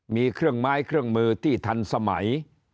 มีเครื่องไม้เครื่องมือที่ทันสมัย